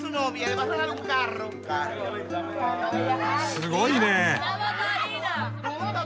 すごいね！